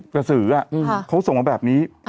กระสือเขาส่งมาแบบนี้